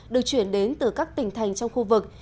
được chuyển đến từ các tỉnh thành trong khu vực